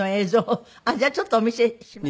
じゃあちょっとお見せします。